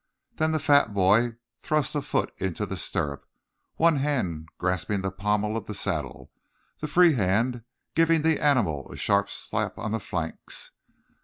Then the fat boy thrust a foot into the stirrup, one hand grasping the pommel of the saddle, the free hand giving the animal a sharp slap on the flanks.